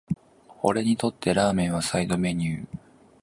俺にとってラーメンはサイドメニュー